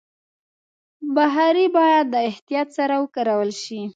بخاري باید د احتیاط سره وکارول شي.